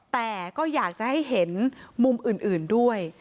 แต่ก็อยากจะให้เห็นมุมอื่นด้วย